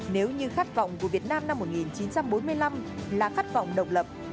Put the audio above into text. nếu như khát vọng của việt nam năm một nghìn chín trăm bốn mươi năm là khát vọng độc lập